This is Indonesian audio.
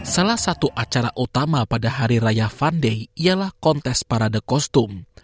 salah satu acara utama pada hari raya fun day ialah kontes parade kostum